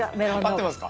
合ってますか？